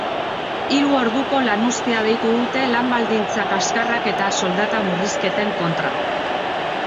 Hiru orduko lanuztea deitu dute lan baldintza kaskarrak eta soldata murrizketen kontra.